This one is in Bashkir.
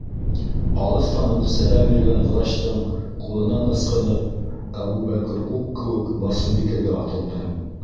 Алыҫтан уҡ сәләм биргән врачтың ҡулынан ысҡынып, Әбүбәкер уҡ кеүек Барсынбикәгә атылды: